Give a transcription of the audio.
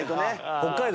北海道